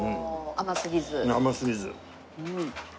甘すぎず。